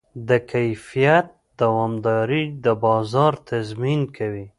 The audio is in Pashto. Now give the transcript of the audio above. د کیفیت دوامداري د بازار تضمین کوي.